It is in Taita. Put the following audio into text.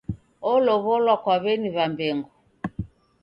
Olow'olwa kwa w'eni Wambengo.